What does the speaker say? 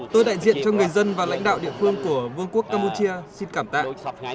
tôi đại diện cho người dân và lãnh đạo địa phương của vương quốc campuchia xin cảm tạm